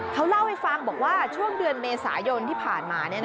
เขาเล่าให้ฟังบอกว่าช่วงเดือนเมษายนที่ผ่านมา